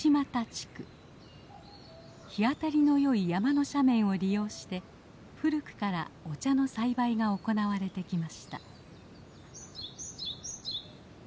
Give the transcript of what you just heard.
日当たりの良い山の斜面を利用して古くからお茶の栽培が行われてきました。